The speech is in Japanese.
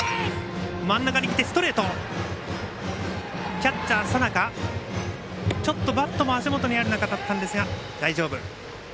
キャッチャー、佐仲バットも足元にある中だったんですが大丈夫。